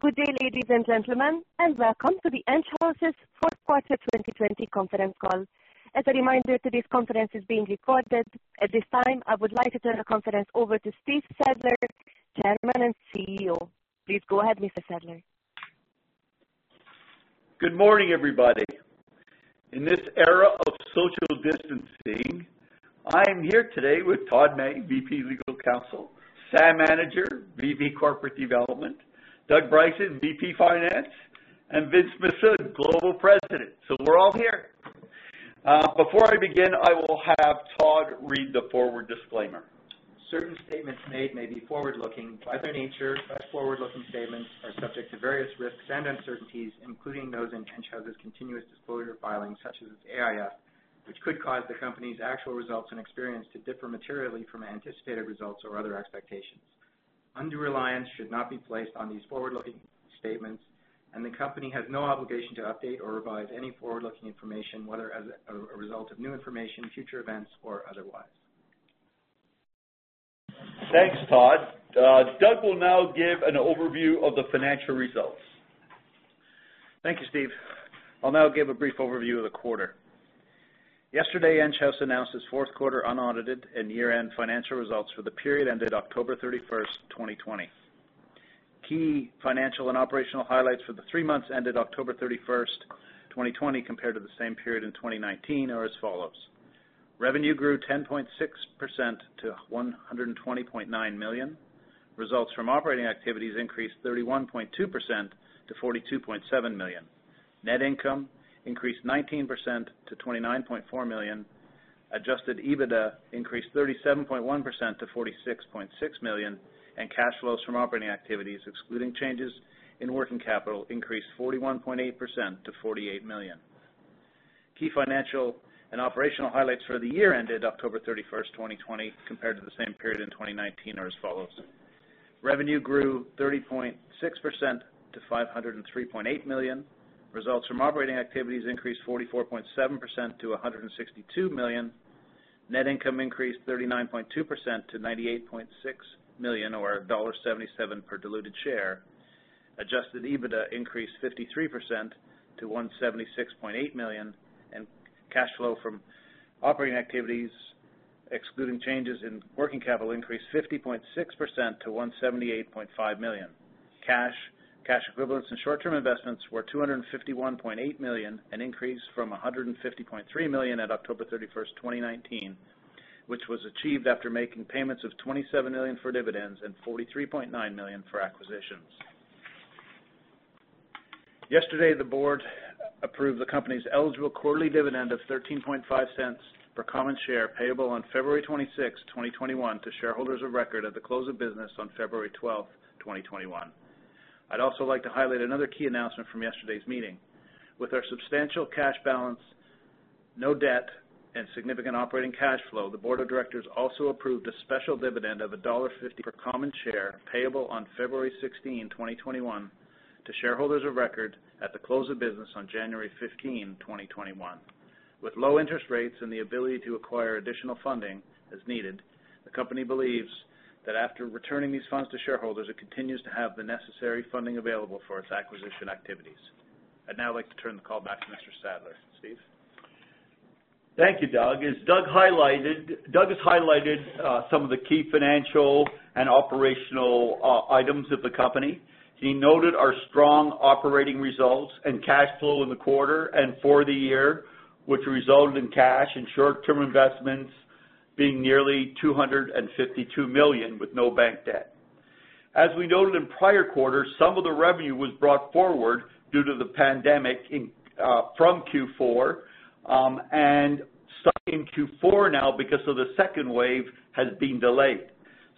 Good day, ladies and gentlemen, and welcome to the Enghouse's fourth quarter 2020 conference call. As a reminder, today's conference is being recorded. At this time, I would like to turn the conference over to Steve Sadler, Chairman and CEO. Please go ahead, Mr. Sadler. Good morning, everybody. In this era of social distancing, I am here today with Todd May, VP, General Counsel, Sam Anidjar, VP, Corporate Development, Doug Bryson, VP, Finance, and Vince Mifsud, Global President. We're all here. Before I begin, I will have Todd read the forward disclaimer. Certain statements made may be forward-looking by their nature. Such forward-looking statements are subject to various risks and uncertainties, including those in Enghouse's continuous disclosure filings, such as its AIF, which could cause the company's actual results and experience to differ materially from anticipated results or other expectations. Undue reliance should not be placed on these forward-looking statements, and the company has no obligation to update or revise any forward-looking information, whether as a result of new information, future events, or otherwise. Thanks, Todd. Doug will now give an overview of the financial results. Thank you, Steve. I'll now give a brief overview of the quarter. Yesterday, Enghouse announced its fourth quarter unaudited and year-end financial results for the period ended October 31st, 2020. Key financial and operational highlights for the three months ended October 31st, 2020 compared to the same period in 2019 are as follows. Revenue grew 10.6% to 120.9 million. Results from operating activities increased 31.2% to 42.7 million. Net income increased 19% to 29.4 million. Adjusted EBITDA increased 37.1% to 46.6 million, and cash flows from operating activities, excluding changes in working capital, increased 41.8% to 48 million. Key financial and operational highlights for the year ended October 31st, 2020 compared to the same period in 2019 are as follows. Revenue grew 30.6% to 503.8 million. Results from operating activities increased 44.7% to 162 million. Net income increased 39.2% to 98.6 million or dollar 1.77 per diluted share. Adjusted EBITDA increased 53% to 176.8 million, and cash flow from operating activities, excluding changes in working capital, increased 50.6% to 178.5 million. Cash, cash equivalents, and short-term investments were 251.8 million, an increase from 150.3 million at October 31st, 2019, which was achieved after making payments of 27 million for dividends and 43.9 million for acquisitions. Yesterday, the board approved the company's eligible quarterly dividend of 0.135 per common share payable on February 26, 2021, to shareholders of record at the close of business on February 12, 2021. I'd also like to highlight another key announcement from yesterday's meeting. With our substantial cash balance, no debt, and significant operating cash flow, the board of directors also approved a special dividend of dollar 1.50 per common share payable on February 16, 2021 to shareholders of record at the close of business on January 15, 2021. With low interest rates and the ability to acquire additional funding as needed, the company believes that after returning these funds to shareholders, it continues to have the necessary funding available for its acquisition activities. I'd now like to turn the call back to Mr. Sadler. Steve? Thank you, Doug. Doug has highlighted some of the key financial and operational items of the company. He noted our strong operating results and cash flow in the quarter and for the year, which resulted in cash and short-term investments being nearly 252 million with no bank debt. We noted in prior quarters, some of the revenue was brought forward due to the pandemic from Q4, and some in Q4 now because of the second wave has been delayed.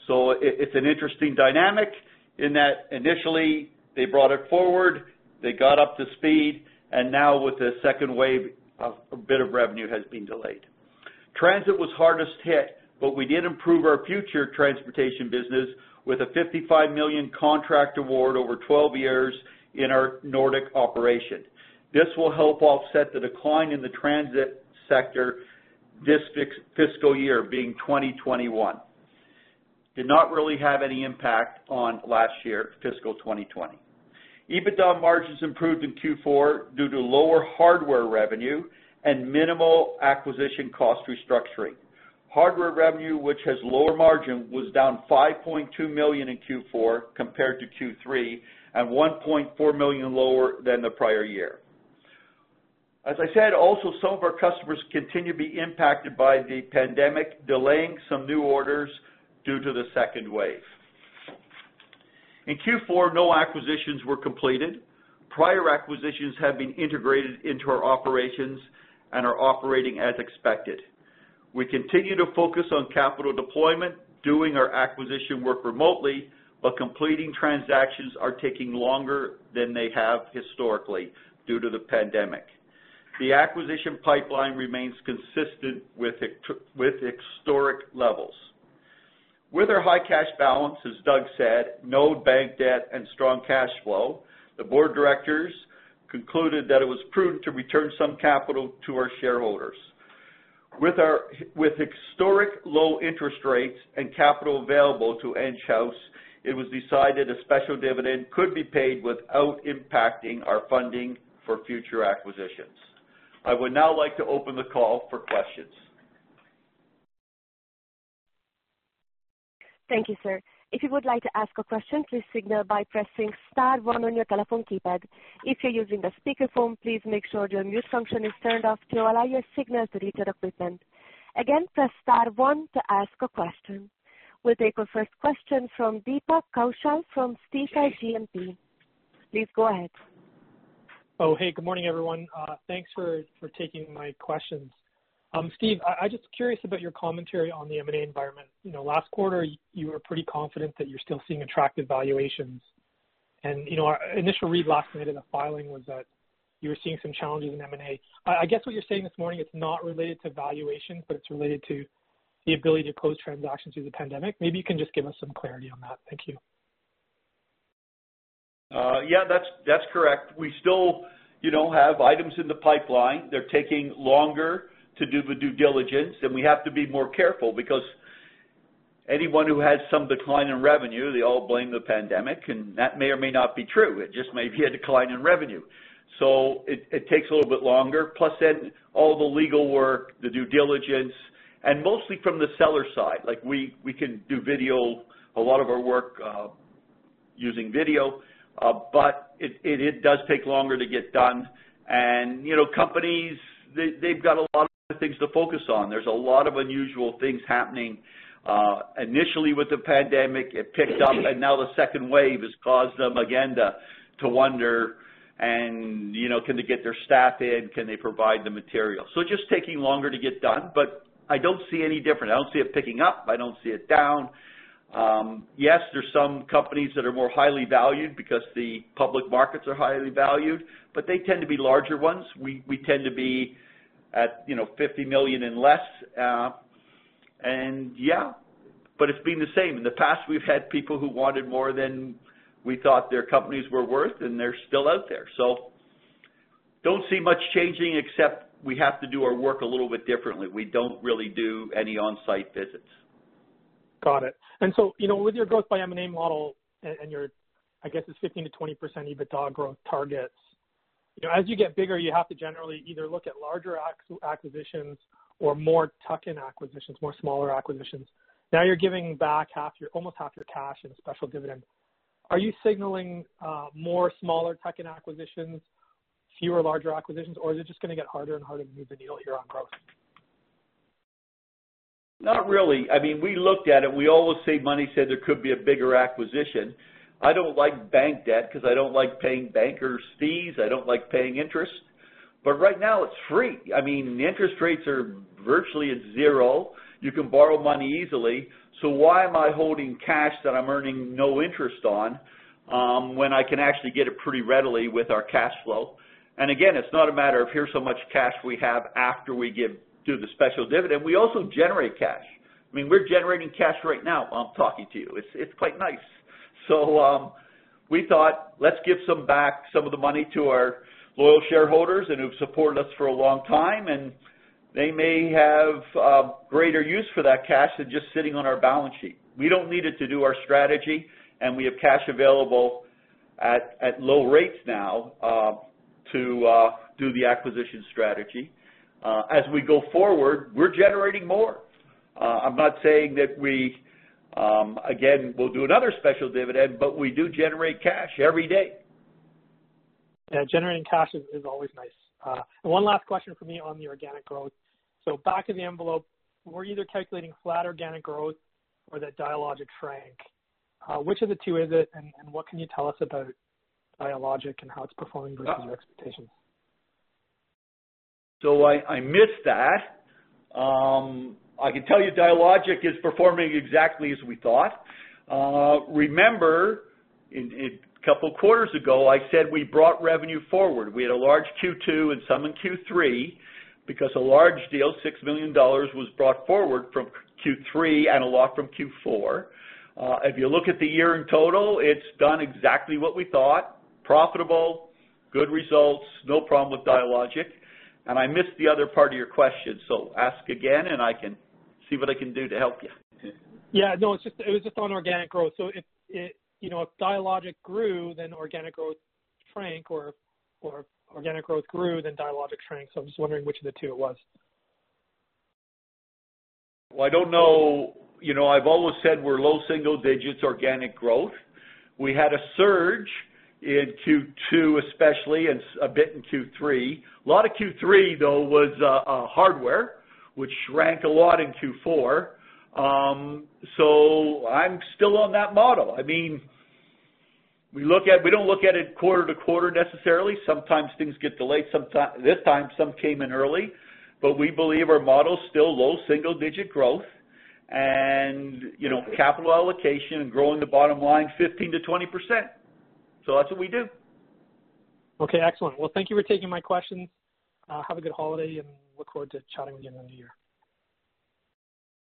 It's an interesting dynamic in that initially they brought it forward, they got up to speed, and now with the second wave, a bit of revenue has been delayed. Transit was hardest hit, we did improve our future transportation business with a 55 million contract award over 12 years in our Nordic operation. This will help offset the decline in the transit sector this fiscal year being 2021. Did not really have any impact on last year, fiscal 2020. EBITDA margins improved in Q4 due to lower hardware revenue and minimal acquisition cost restructuring. Hardware revenue, which has lower margin, was down 5.2 million in Q4 compared to Q3 and 1.4 million lower than the prior year. As I said, also some of our customers continue to be impacted by the pandemic, delaying some new orders due to the second wave. In Q4, no acquisitions were completed. Prior acquisitions have been integrated into our operations and are operating as expected. We continue to focus on capital deployment, doing our acquisition work remotely, but completing transactions are taking longer than they have historically due to the pandemic. The acquisition pipeline remains consistent with historic levels. With our high cash balance, as Doug said, no bank debt and strong cash flow, the board of directors concluded that it was prudent to return some capital to our shareholders. With historic low interest rates and capital available to Enghouse, it was decided a special dividend could be paid without impacting our funding for future acquisitions. I would now like to open the call for questions. Thank you, sir. If you would like to ask a question, please signal by pressing star one on your telephone keypad. If you're using the speakerphone, please make sure your mute function is turned off to allow your signal to reach our equipment. Again, press star one to ask a question. We'll take our first question from Deepak Kaushal from Stifel GMP. Please go ahead. Oh, hey, good morning, everyone. Thanks for taking my questions. Steve, I'm just curious about your commentary on the M&A environment. Last quarter, you were pretty confident that you're still seeing attractive valuations. Our initial read last night in the filing was that you were seeing some challenges in M&A. I guess what you're saying this morning, it's not related to valuations, but it's related to the ability to close transactions through the pandemic. Maybe you can just give us some clarity on that. Thank you. Yeah. That's correct. We still have items in the pipeline. They're taking longer to do the due diligence. We have to be more careful because anyone who had some decline in revenue, they all blame the pandemic. That may or may not be true. It just may be a decline in revenue. It takes a little bit longer. All the legal work, the due diligence, and mostly from the seller side. We can do a lot of our work using video. It does take longer to get done. Companies, they've got a lot of things to focus on. There's a lot of unusual things happening. Initially with the pandemic, it picked up. Now the second wave has caused them again to wonder can they get their staff in, can they provide the material. It's just taking longer to get done, but I don't see any different. I don't see it picking up. I don't see it down. Yes, there's some companies that are more highly valued because the public markets are highly valued, but they tend to be larger ones. We tend to be at 50 million and less. Yeah, but it's been the same. In the past, we've had people who wanted more than we thought their companies were worth, and they're still out there. Don't see much changing, except we have to do our work a little bit differently. We don't really do any on-site visits. Got it. With your growth by M&A model and your, I guess it's 15%-20% EBITDA growth targets, as you get bigger, you have to generally either look at larger acquisitions or more tuck-in acquisitions, more smaller acquisitions. Now you're giving back almost half your cash in a special dividend. Are you signaling more smaller tuck-in acquisitions, fewer larger acquisitions, or is it just going to get harder and harder to move the needle here on growth? Not really. We looked at it. We always say money said there could be a bigger acquisition. I don't like bank debt because I don't like paying bankers' fees. I don't like paying interest. Right now it's free. The interest rates are virtually at zero. You can borrow money easily. Why am I holding cash that I'm earning no interest on, when I can actually get it pretty readily with our cash flow? Again, it's not a matter of here's so much cash we have after we do the special dividend. We also generate cash. We're generating cash right now while I'm talking to you. It's quite nice. We thought, let's give some back, some of the money to our loyal shareholders and who've supported us for a long time, and they may have greater use for that cash than just sitting on our balance sheet. We don't need it to do our strategy, and we have cash available at low rates now, to do the acquisition strategy. As we go forward, we're generating more. I'm not saying that we, again, will do another special dividend, but we do generate cash every day. Yeah, generating cash is always nice. One last question from me on the organic growth. Back of the envelope, we're either calculating flat organic growth or that Dialogic shrank. Which of the two is it, and what can you tell us about Dialogic and how it's performing versus your expectations? I missed that. I can tell you Dialogic is performing exactly as we thought. Remember, a couple of quarters ago, I said we brought revenue forward. We had a large Q2 and some in Q3 because a large deal, 6 million dollars, was brought forward from Q3 and a lot from Q4. If you look at the year in total, it's done exactly what we thought. Profitable, good results, no problem with Dialogic. I missed the other part of your question, so ask again, and I can see what I can do to help you. Yeah. No, it was just on organic growth. If Dialogic grew, then organic growth shrank, or if organic growth grew, then Dialogic shrank. I'm just wondering which of the two it was. Well, I don't know. I've always said we're low single digits organic growth. We had a surge in Q2 especially, and a bit in Q3. A lot of Q3, though, was hardware, which shrank a lot in Q4. I'm still on that model. We don't look at it quarter to quarter necessarily. Sometimes things get delayed. This time, some came in early. We believe our model's still low single digit growth and capital allocation and growing the bottom line 15%-20%. That's what we do. Okay, excellent. Well, thank you for taking my questions. Have a good holiday, and look forward to chatting again in the new year.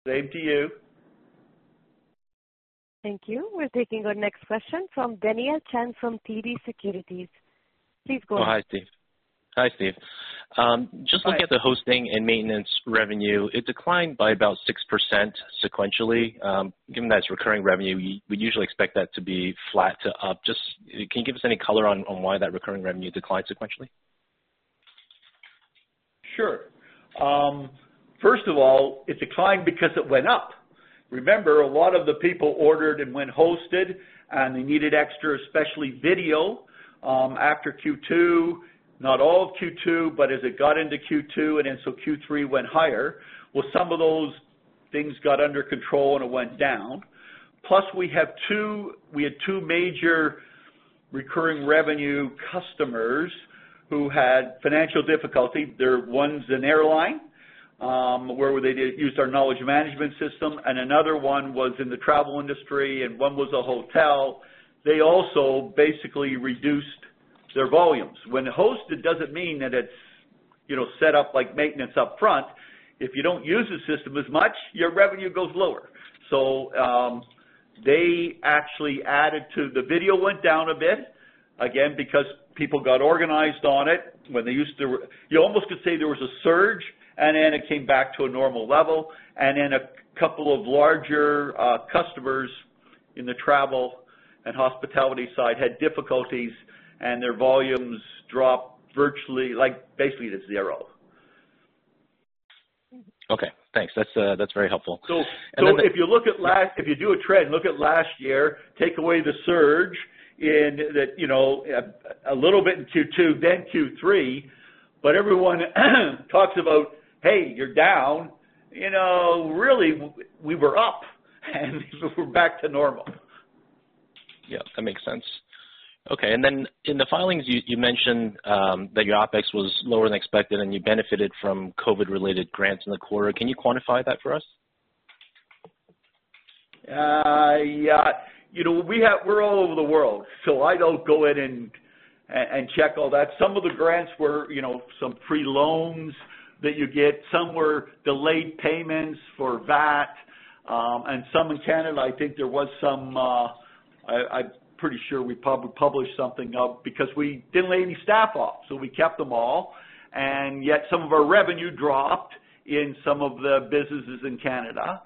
Same to you. Thank you. We're taking our next question from Daniel Chan from TD Securities. Please go ahead. Oh, hi, Steve. Hi, Steve. Hi Looking at the hosting and maintenance revenue, it declined by about 6% sequentially. Given that it's recurring revenue, we usually expect that to be flat to up. Just, can you give us any color on why that recurring revenue declined sequentially? Sure. First of all, it declined because it went up. Remember, a lot of the people ordered and went hosted, and they needed extra, especially video, after Q2. Not all of Q2, but as it got into Q2, Q3 went higher. Well, some of those things got under control, and it went down. Plus, we had two major recurring revenue customers who had financial difficulty. One's an airline, where they used our knowledge management system, and another one was in the travel industry, and one was a hotel. They also basically reduced their volumes. When hosted doesn't mean that it's set up like maintenance upfront. If you don't use the system as much, your revenue goes lower. They actually added to, the video went down a bit, again, because people got organized on it. You almost could say there was a surge, and then it came back to a normal level. Then a couple of larger customers in the travel and hospitality side had difficulties, and their volumes dropped virtually, basically to zero. Okay, thanks. That is very helpful. If you do a trend, look at last year, take away the surge in that, a little bit in Q2, then Q3, but everyone talks about, "Hey, you're down." Really, we were up and we're back to normal. Yeah, that makes sense. Okay. In the filings you mentioned, that your OpEx was lower than expected, and you benefited from COVID-related grants in the quarter. Can you quantify that for us? We're all over the world, so I don't go in and check all that. Some of the grants were some free loans that you get. Some were delayed payments for VAT. Some in Canada, I think there was some I'm pretty sure we probably published something up because we didn't lay any staff off, so we kept them all. Yet some of our revenue dropped in some of the businesses in Canada.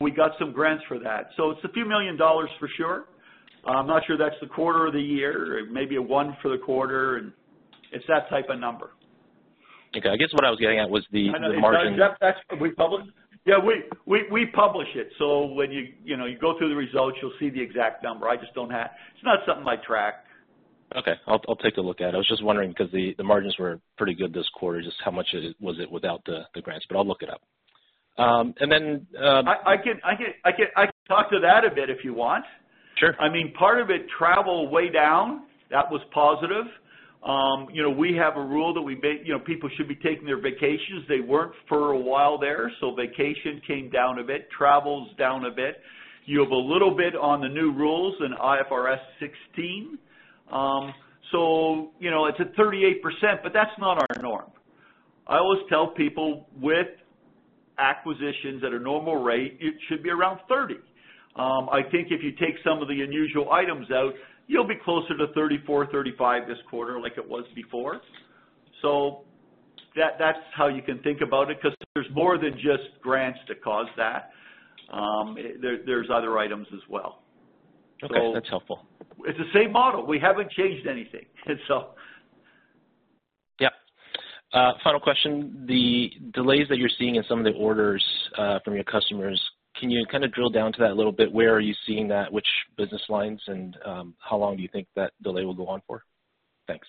We got some grants for that. It's a few million dollars for sure. I'm not sure if that's the quarter or the year. It may be a one for the quarter, and it's that type of number. Okay. I guess what I was getting at was the margin- I know. That's what we published. Yeah, we publish it. When you go through the results, you'll see the exact number. It's not something I track. Okay. I'll take a look at it. I was just wondering because the margins were pretty good this quarter, just how much was it without the grants, but I'll look it up. I can talk to that a bit if you want. Sure. Part of it, travel way down. That was positive. We have a rule that people should be taking their vacations. They worked for a while there, so vacation came down a bit. Travel's down a bit. You have a little bit on the new rules in IFRS 16. It's at 38%, but that's not our norm. I always tell people with acquisitions at a normal rate, it should be around 30. I think if you take some of the unusual items out, you'll be closer to 34, 35 this quarter like it was before. That's how you can think about it, because there's more than just grants to cause that. There's other items as well. Okay. That's helpful. it's the same model. We haven't changed anything. Yep. Final question. The delays that you're seeing in some of the orders from your customers, can you kind of drill down to that a little bit? Where are you seeing that? Which business lines and how long do you think that delay will go on for? Thanks.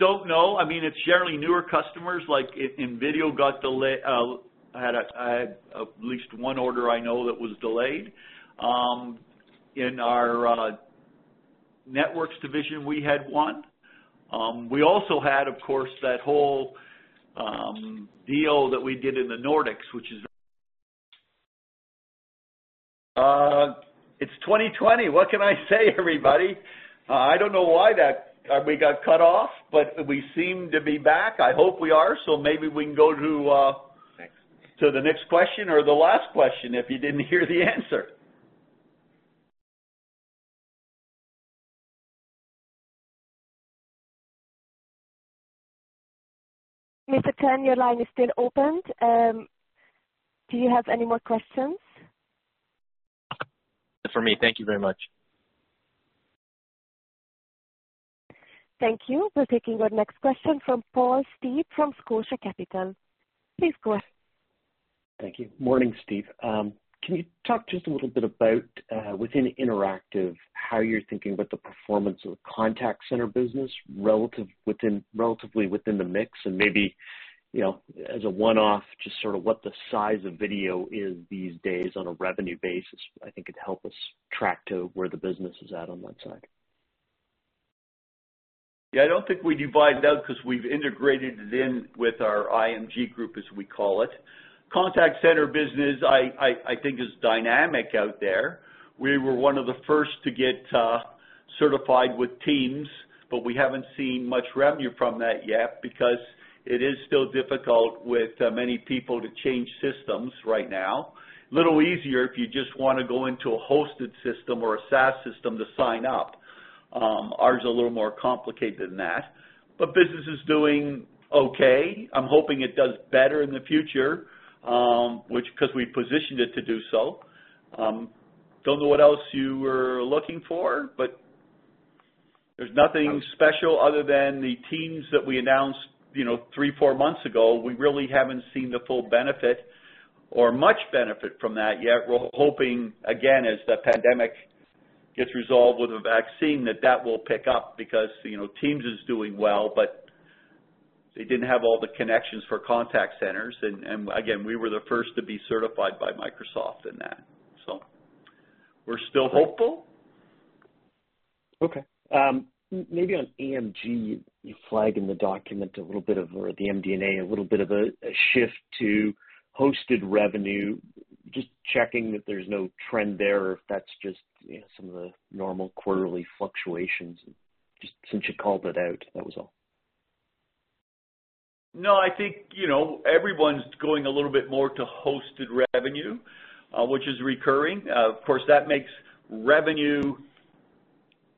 Don't know. It's generally newer customers like in video got delay. At least one order I know that was delayed. In our networks division, we had one. We also had, of course, that whole deal that we did in the Nordics, which is. It's 2020. What can I say, everybody? I don't know why we got cut off, but we seem to be back. I hope we are, so maybe we can go to- Thanks To the next question or the last question if you didn't hear the answer. Mr. Chan, your line is still opened. Do you have any more questions? That's it for me. Thank you very much. Thank you. We're taking our next question from Paul Steep from Scotia Capital. Please go ahead. Thank you. Morning, Steve. Can you talk just a little bit about, within Interactive, how you're thinking about the performance of the contact center business relatively within the mix and maybe, as a one-off, just sort of what the size of video is these days on a revenue basis? I think it'd help us track to where the business is at on that side. Yeah, I don't think we divide it out because we've integrated it in with our IMG group, as we call it. Contact center business I think is dynamic out there. We were one of the first to get certified with Teams, but we haven't seen much revenue from that yet because it is still difficult with many people to change systems right now. A little easier if you just want to go into a hosted system or a SaaS system to sign up. Ours is a little more complicated than that. Business is doing okay. I'm hoping it does better in the future, which because we positioned it to do so. Don't know what else you were looking for, but there's nothing special other than the Teams that we announced three, four months ago. We really haven't seen the full benefit or much benefit from that yet. We're hoping, again, as the pandemic gets resolved with a vaccine, that that will pick up because Teams is doing well, but they didn't have all the connections for contact centers. Again, we were the first to be certified by Microsoft in that. We're still hopeful. Maybe on AMG, you flag in the document a little bit of, or the MD&A, a little bit of a shift to hosted revenue. Just checking that there's no trend there, or if that's just some of the normal quarterly fluctuations. Just since you called it out, that was all. I think everyone's going a little bit more to hosted revenue, which is recurring. That makes revenue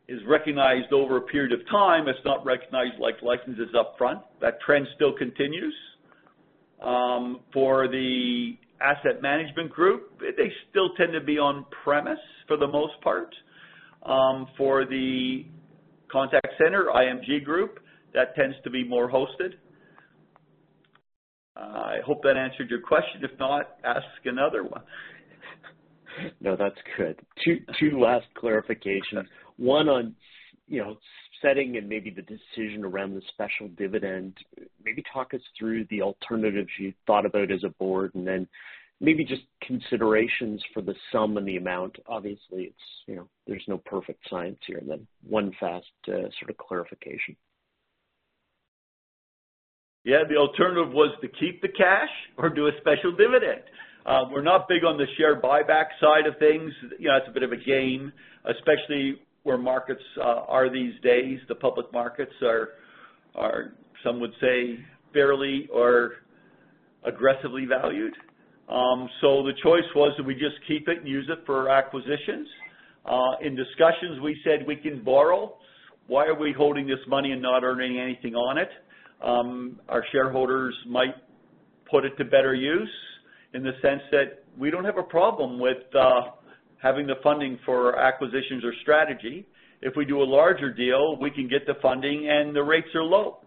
is recognized over a period of time. It's not recognized like licenses upfront. That trend still continues. For the asset management group, they still tend to be on premise for the most part. For the contact center, IMG group, that tends to be more hosted. I hope that answered your question. If not, ask another one. No, that's good. two last clarifications. one on setting and maybe the decision around the special dividend. Maybe talk us through the alternatives you thought about as a board, and then maybe just considerations for the sum and the amount. Obviously, there's no perfect science here. Then one fast sort of clarification. Yeah. The alternative was to keep the cash or do a special dividend. We're not big on the share buyback side of things. That's a bit of a gain, especially where markets are these days. The public markets are, some would say, fairly or aggressively valued. The choice was, do we just keep it and use it for acquisitions? In discussions, we said we can borrow. Why are we holding this money and not earning anything on it? Our shareholders might put it to better use in the sense that we don't have a problem with having the funding for acquisitions or strategy. If we do a larger deal, we can get the funding, and the rates are low.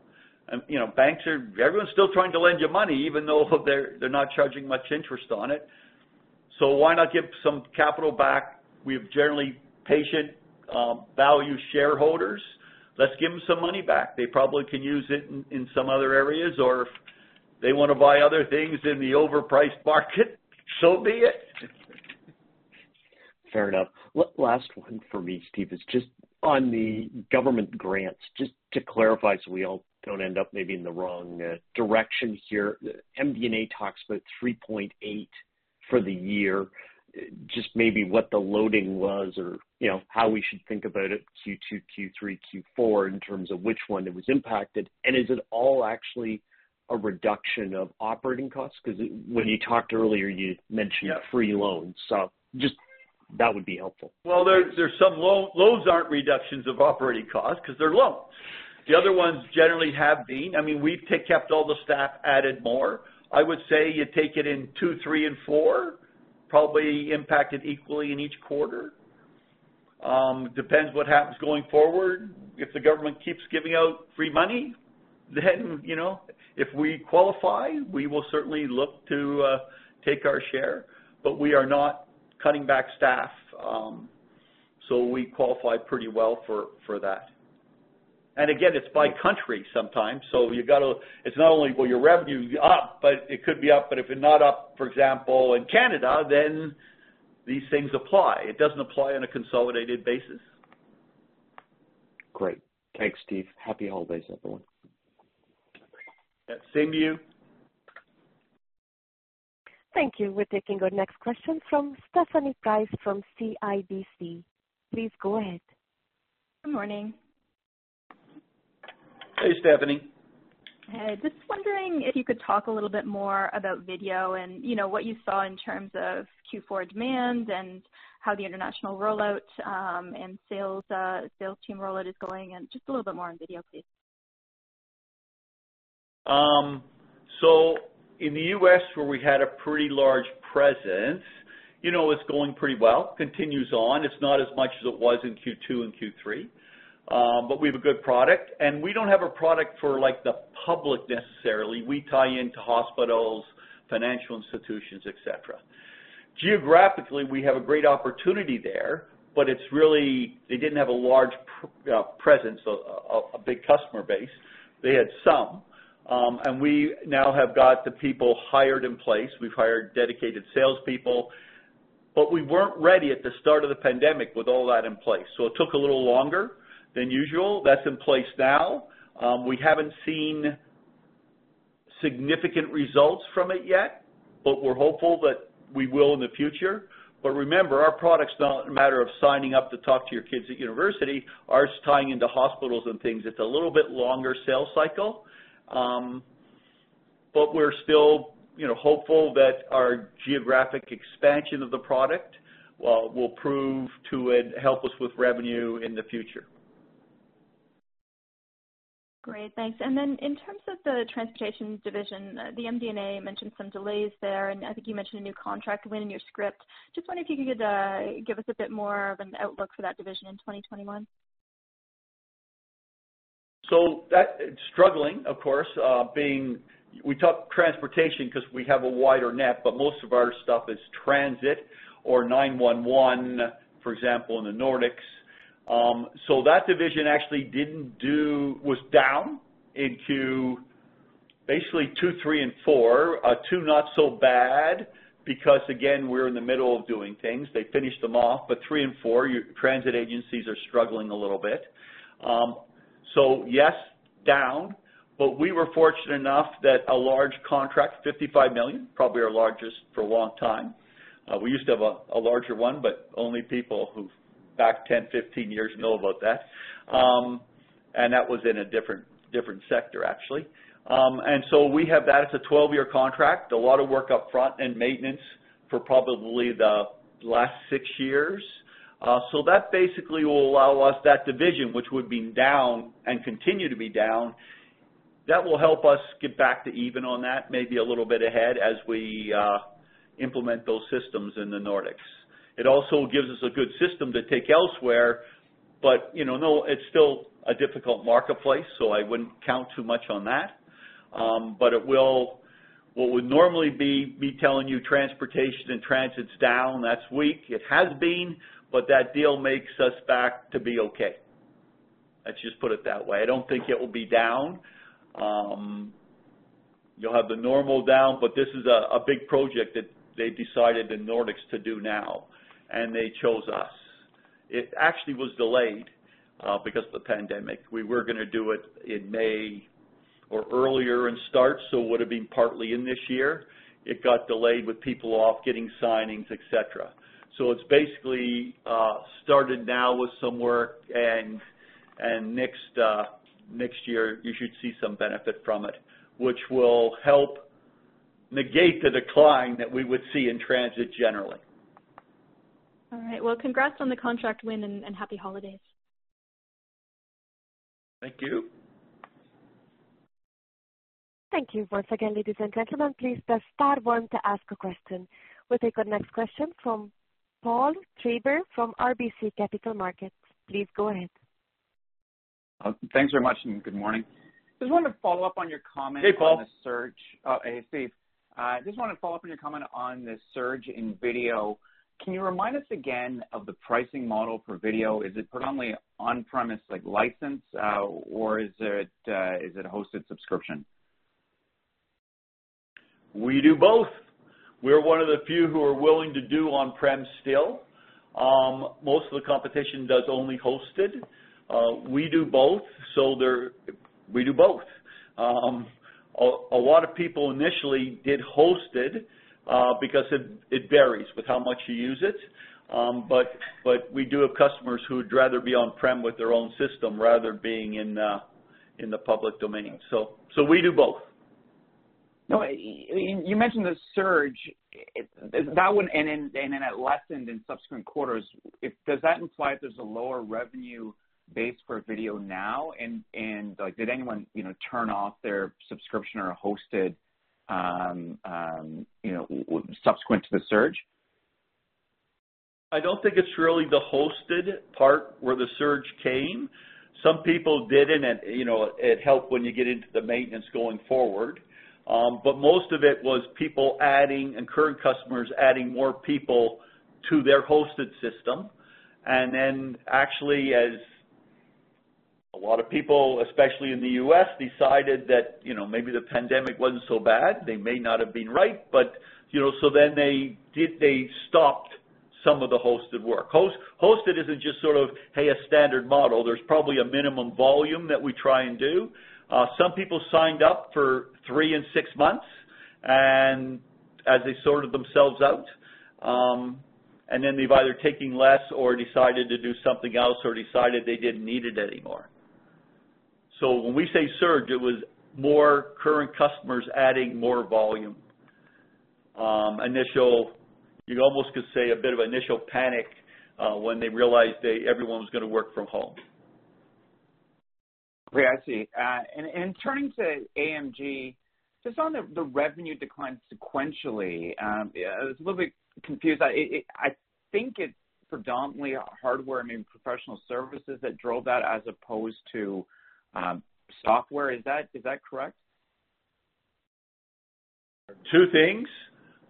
Everyone's still trying to lend you money, even though they're not charging much interest on it. Why not give some capital back? We have generally patient value shareholders. Let's give them some money back. They probably can use it in some other areas, or if they want to buy other things in the overpriced market, so be it. Fair enough. Last one for me, Steve, is just on the government grants. Just to clarify, so we all don't end up maybe in the wrong direction here. MD&A talks about 3.8 for the year. Just maybe what the loading was or how we should think about it, Q2, Q3, Q4, in terms of which one it was impacted. Is it all actually a reduction of operating costs? Because when you talked earlier, you mentioned free loans. Just that would be helpful. Well, there's some loans. Loans aren't reductions of operating costs because they're loans. The other ones generally have been. We've kept all the staff, added more. I would say you take it in two, three, and four, probably impacted equally in each quarter. Depends what happens going forward. If the government keeps giving out free money, then if we qualify, we will certainly look to take our share. We are not cutting back staff, so we qualify pretty well for that. Again, it's by country sometimes, so it's not only, well, your revenue's up, but it could be up, but if you're not up, for example, in Canada, then these things apply. It doesn't apply on a consolidated basis. Great. Thanks, Steve. Happy holidays, everyone. Yeah. Same to you. Thank you. We're taking our next question from Stephanie Price from CIBC. Please go ahead. Good morning. Hey, Stephanie. Hey. Just wondering if you could talk a little bit more about video and what you saw in terms of Q4 demand and how the international rollout and sales team rollout is going, and just a little bit more on video, please? In the U.S., where we had a pretty large presence, it's going pretty well. Continues on. It's not as much as it was in Q2 and Q3. We have a good product. We don't have a product for the public necessarily. We tie into hospitals, financial institutions, et cetera. Geographically, we have a great opportunity there, but it's really they didn't have a large presence, a big customer base. They had some. We now have got the people hired in place. We've hired dedicated salespeople. We weren't ready at the start of the pandemic with all that in place, so it took a little longer than usual. That's in place now. We haven't seen significant results from it yet, but we're hopeful that we will in the future. Remember, our product's not a matter of signing up to talk to your kids at university. Ours is tying into hospitals and things. It's a little bit longer sales cycle. We're still hopeful that our geographic expansion of the product will prove to help us with revenue in the future. Great, thanks. In terms of the transportation division, the MD&A mentioned some delays there, and I think you mentioned a new contract win in your script. Just wondering if you could give us a bit more of an outlook for that division in 2021. That is struggling, of course, being. We talk transportation because we have a wider net, but most of our stuff is transit or 911, for example, in the Nordics. That division actually was down into basically two, three, and four. Two not so bad because, again, we're in the middle of doing things. They finished them off. Three and four, transit agencies are struggling a little bit. Yes, down, we were fortunate enough that a large contract, 55 million, probably our largest for a long time. We used to have a larger one, but only people who've back 10, 15 years know about that. That was in a different sector, actually. We have that as a 12-year contract, a lot of work up front and maintenance for probably the last six years. That basically will allow us, that division, which would be down and continue to be down, that will help us get back to even on that, maybe a little bit ahead as we implement those systems in the Nordics. It also gives us a good system to take elsewhere, but it's still a difficult marketplace, so I wouldn't count too much on that. What would normally be me telling you transportation and transit's down, that's weak, it has been, but that deal makes us back to be okay. Let's just put it that way. I don't think it will be down. You'll have the normal down, but this is a big project that they decided in Nordics to do now, and they chose us. It actually was delayed because of the pandemic. We were going to do it in May or earlier and start, so it would've been partly in this year. It got delayed with people off getting signings, et cetera. It's basically started now with some work, and next year you should see some benefit from it, which will help negate the decline that we would see in transit generally. All right. Well, congrats on the contract win, and happy holidays. Thank you. Thank you. Once again, ladies and gentlemen, please press star one to ask a question. We'll take our next question from Paul Treiber from RBC Capital Markets. Please go ahead. Thanks very much, and good morning. Hey, Paul On the surge. Oh, hey, Steve. Just wanted to follow up on your comment on the surge in video. Can you remind us again of the pricing model for video? Is it predominantly on-premise, like licensed, or is it hosted subscription? We do both. We're one of the few who are willing to do on-prem still. Most of the competition does only hosted. We do both. A lot of people initially did hosted because it varies with how much you use it. We do have customers who'd rather be on-prem with their own system rather being in the public domain. We do both. No, you mentioned the surge and then it lessened in subsequent quarters. Does that imply there's a lower revenue base for video now? Did anyone turn off their subscription or hosted subsequent to the surge? I don't think it's really the hosted part where the surge came. Some people didn't, and it helped when you get into the maintenance going forward. Most of it was people adding and current customers adding more people to their hosted system. Actually as a lot of people, especially in the U.S., decided that maybe the pandemic wasn't so bad, they may not have been right, but so then they stopped some of the hosted work. Hosted isn't just sort of, hey, a standard model. There's probably a minimum volume that we try and do. Some people signed up for three and six months as they sorted themselves out. They've either taken less or decided to do something else or decided they didn't need it anymore. When we say surge, it was more current customers adding more volume. You almost could say a bit of initial panic when they realized everyone was going to work from home. Great. I see. Turning to AMG, just on the revenue decline sequentially, I was a little bit confused. I think it's predominantly hardware, maybe professional services that drove that as opposed to software. Is that correct? Two things.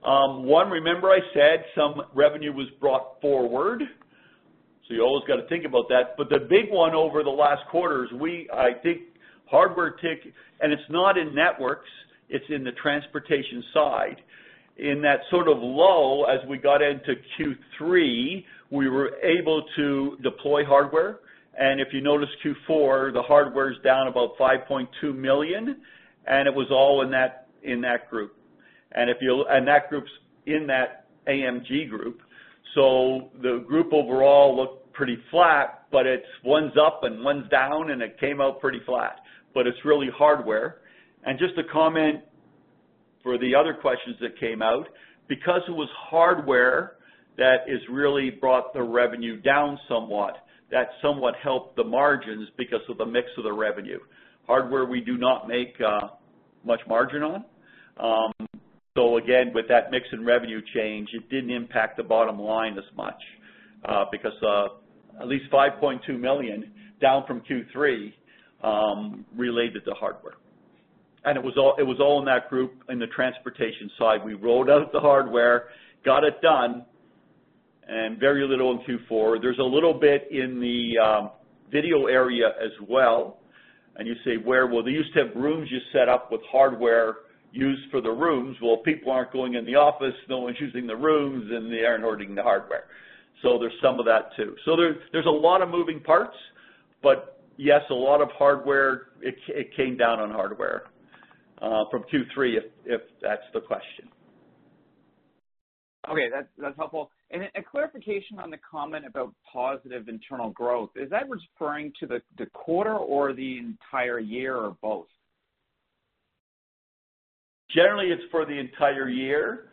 One, remember I said some revenue was brought forward, you always got to think about that. The big one over the last quarter is we, I think hardware tick, it's not in networks, it's in the transportation side. In that sort of lull as we got into Q3, we were able to deploy hardware, if you notice Q4, the hardware's down about 5.2 million, it was all in that group. That group's in that AMG group. The group overall looked pretty flat, it's one's up and one's down, it came out pretty flat. It's really hardware. Just to comment for the other questions that came out, because it was hardware that has really brought the revenue down somewhat, that somewhat helped the margins because of the mix of the revenue. Hardware, we do not make much margin on. Again, with that mix in revenue change, it didn't impact the bottom line as much because at least 5.2 million, down from Q3, related to hardware. It was all in that group in the transportation side. We wrote off the hardware, got it done, and very little in Q4. There's a little bit in the video area as well. You say, where? Well, they used to have rooms you set up with hardware used for the rooms. Well, people aren't going in the office, no one's using the rooms, and they aren't ordering the hardware. There's some of that, too. There's a lot of moving parts, but yes, a lot of hardware. It came down on hardware from Q3, if that's the question. Okay. That's helpful. A clarification on the comment about positive internal growth. Is that referring to the quarter or the entire year, or both? Generally, it's for the entire year.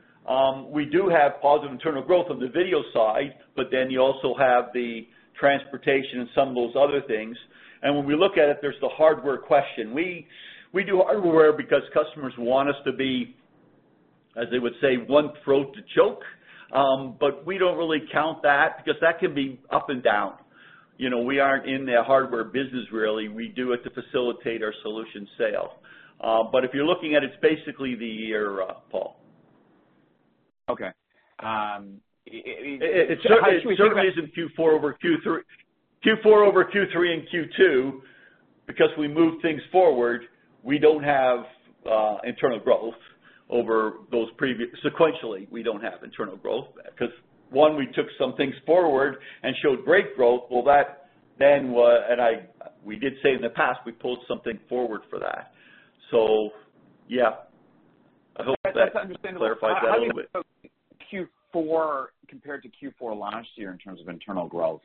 We do have positive internal growth on the video side, you also have the transportation and some of those other things. When we look at it, there's the hardware question. We do hardware because customers want us to be, as they would say, one throat to choke. We don't really count that because that can be up and down. We aren't in the hardware business, really. We do it to facilitate our solution sale. If you're looking at it's basically the year, Paul. Okay. It certainly isn't Q4 over Q3. Q4 over Q3 and Q2, because we moved things forward, we don't have internal growth over those previous sequentially, we don't have internal growth. One, we took some things forward and showed great growth. Well, we did say in the past, we pulled something forward for that. Yeah. I hope that clarifies that a little bit. That's understandable. How do you think about Q4 compared to Q4 last year in terms of internal growth?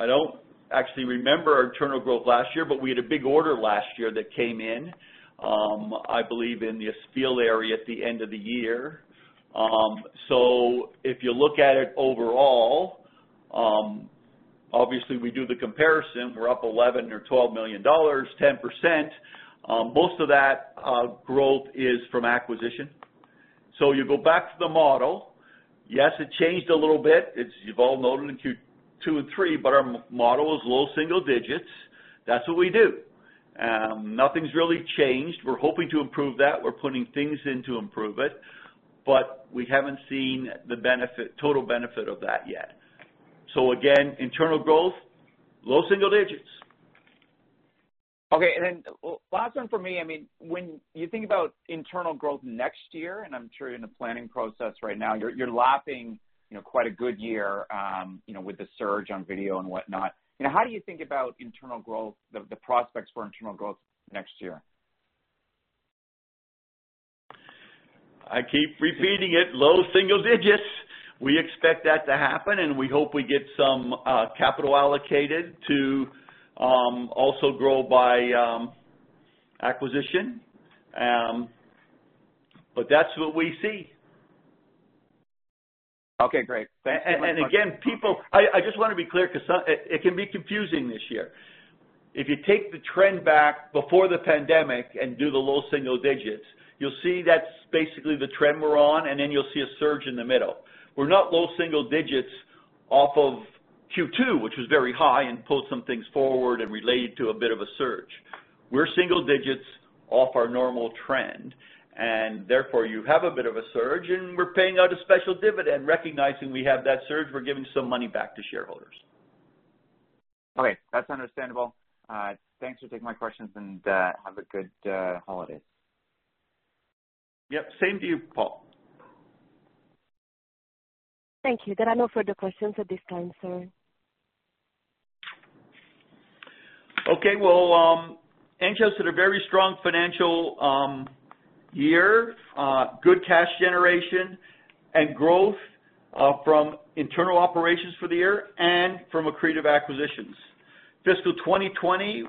I don't actually remember our internal growth last year, but we had a big order last year that came in, I believe in the Espial area at the end of the year. If you look at it overall, obviously we do the comparison. We're up 11 million or 12 million dollars, 10%. Most of that growth is from acquisition. You go back to the model. Yes, it changed a little bit. You've all noted in Q2 and 3, but our model is low single-digits. That's what we do. Nothing's really changed. We're hoping to improve that. We're putting things in to improve it, but we haven't seen the total benefit of that yet. Again, internal growth, low single-digits. Okay. Last one from me. When you think about internal growth next year, and I'm sure you're in the planning process right now, you're lapping quite a good year with the surge on video and whatnot. How do you think about internal growth, the prospects for internal growth next year? I keep repeating it, low single-digits. We expect that to happen, and we hope we get some capital allocated to also grow by acquisition. That's what we see. Okay, great. Thanks so much. Again, people, I just want to be clear because it can be confusing this year. If you take the trend back before the pandemic and do the low single digits, you'll see that's basically the trend we're on, and then you'll see a surge in the middle. We're not low single digits off of Q2, which was very high, and pulled some things forward and related to a bit of a surge. We're single digits off our normal trend, and therefore, you have a bit of a surge, and we're paying out a special dividend. Recognizing we have that surge, we're giving some money back to shareholders. Okay. That's understandable. Thanks for taking my questions, and have a good holidays. Yep. Same to you, Paul. Thank you. There are no further questions at this time, sir. Okay. Well, Enghouse had a very strong financial year. Good cash generation and growth from internal operations for the year and from accretive acquisitions. Fiscal 2020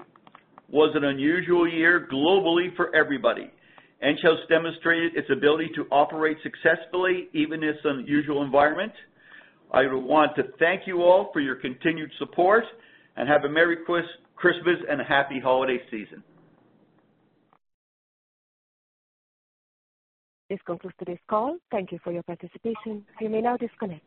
was an unusual year globally for everybody. Enghouse demonstrated its ability to operate successfully, even in this unusual environment. I want to thank you all for your continued support, and have a Merry Christmas and a happy holiday season. This concludes today's call. Thank you for your participation. You may now disconnect.